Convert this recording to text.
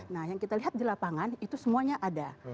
nah yang kita lihat di lapangan itu semuanya ada